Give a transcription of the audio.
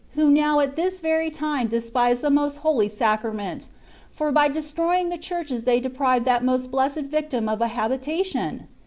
TOJ now at this very time despise the Mo^Hdly Sa crament, for by destroying the chlirdics they deprive that Most Blessed Victim of a habitation